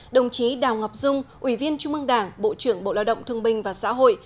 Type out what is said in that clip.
đồng chí đào ngọc dung ủy viên trung mương đảng bộ trưởng bộ lao động thương binh và xã hội